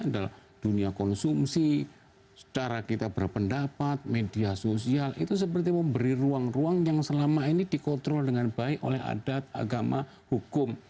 dalam dunia konsumsi cara kita berpendapat media sosial itu seperti memberi ruang ruang yang selama ini dikontrol dengan baik oleh adat agama hukum